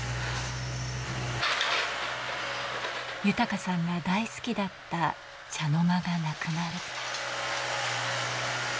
豊さんが大好きだった茶の間がなくなる。